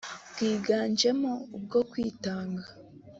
bwigajemo ubwo kwitanga